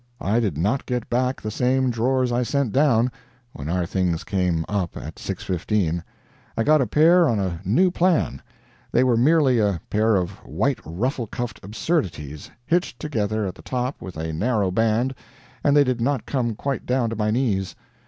I did not get back the same drawers I sent down, when our things came up at six fifteen; I got a pair on a new plan. They were merely a pair of white ruffle cuffed absurdities, hitched together at the top with a narrow band, and they did not come quite down to my knees.